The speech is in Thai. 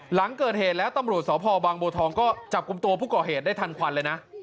หลังเกิดเหตุแล้วตำรวจสพบางบัวทองก็จับกลุ่มตัวผู้ก่อเหตุได้ทันควันเลยนะ